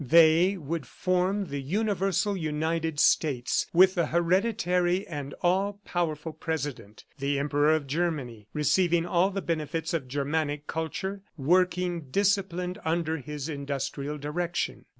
They would form the Universal United States, with an hereditary and all powerful president the Emperor of Germany receiving all the benefits of Germanic culture, working disciplined under his industrial direction.